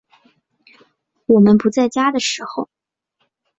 我们不在家的时候